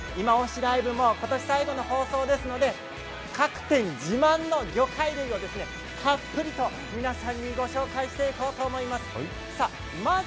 ＬＩＶＥ」も今年最後の放送ですので各店自慢の魚介類をたっぷりと皆さんにご紹介していこうと思います。